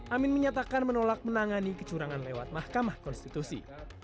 amin menyatakan menolak menangani kecurangan lewat mahkamah konstitusi